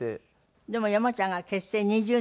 でも山ちゃんが結成２０年ですか？